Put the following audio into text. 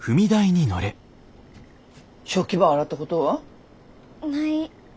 食器ば洗ったことは？ない。